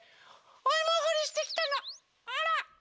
おいもほりしてきたのほら。